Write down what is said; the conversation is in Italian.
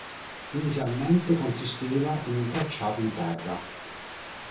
Inizialmente consisteva in una tracciato in terra.